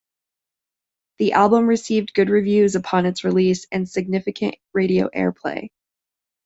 The album received good reviews upon its release and significant radio airplay.